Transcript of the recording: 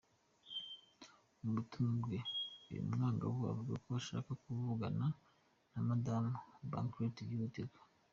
Mu butumwa bwe, uyu mwangavu avuga ko ashaka kuvugana na madamu Bachelet "byihutirwa".